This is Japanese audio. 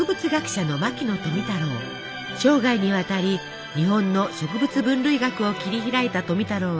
生涯にわたり日本の植物分類学を切り開いた富太郎は大の甘党でした。